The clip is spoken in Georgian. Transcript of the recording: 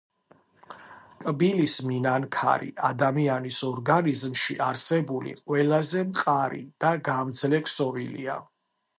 კბილის მინანქარი ადამიანის ორგანიზმში არსებული ყველაზე მყარი და გამძლე ქსოვილია.